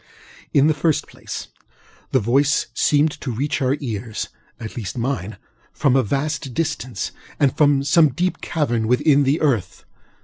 In the first place, the voice seemed to reach our earsŌĆöat least mineŌĆöfrom a vast distance, or from some deep cavern within the earth.